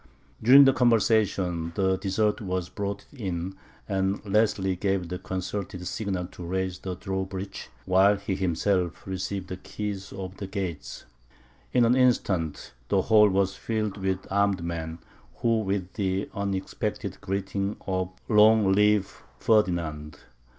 During this conversation, the dessert was brought in, and Leslie gave the concerted signal to raise the drawbridges, while he himself received the keys of the gates. In an instant, the hall was filled with armed men, who, with the unexpected greeting of "Long live Ferdinand!"